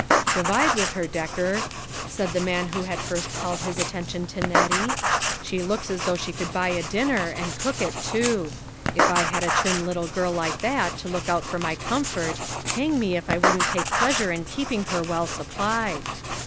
" Divide with her, Decker," said the man who had first called his attention to Nettie. " She looks as though she could buy a dinner, and cook it too. If I had a trim little girl like that to look out for my comfort, hang me if I wouldn't take pleasure in keeping her well supplied."